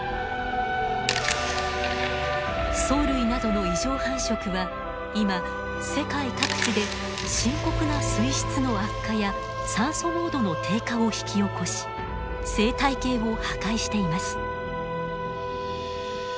藻類などの異常繁殖は今世界各地で深刻な水質の悪化や酸素濃度の低下を引き起こし生態系を破壊しています。